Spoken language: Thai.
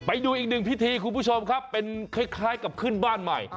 ไปดูอีกหนึ่งพิธีคุณผู้ชมครับเป็นคล้ายกับขึ้นบ้านใหม่